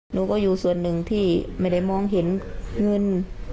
หนูก็อยู่ส่วนหนึ่งที่ไม่ได้มองเห็นเงิน